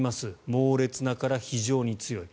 猛烈なから非常に強い。